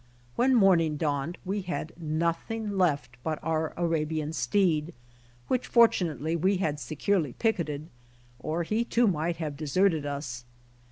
When morning dawned we had nothing left but our "Arabian steed," which fortunately we had securely picketed, or he too, might have deserted us.